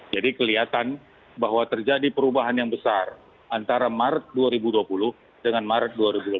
jadi kelihatan bahwa terjadi perubahan yang besar antara maret dua ribu dua puluh dengan maret dua ribu dua puluh satu